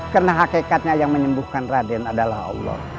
karena hakikatnya yang menimbulkan raden adalah allah